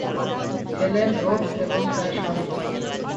Helen Rhodes এবং তার স্বামী।